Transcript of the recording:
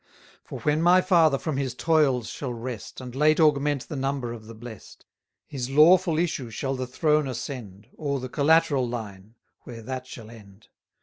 For when my father from his toils shall rest, And late augment the number of the blest, 350 His lawful issue shall the throne ascend, Or the collateral line, where that shall end.